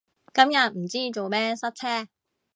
今日唔知做咩塞車